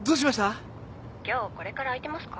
☎今日これから空いてますか？